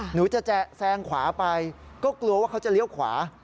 หนูจะแซงขวาไปก็กลัวว่าเขาจะเลี้ยวขวา